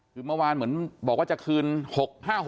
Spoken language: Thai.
คือเมื่อวานเหมือนบอกว่าจะคืน๖๕๖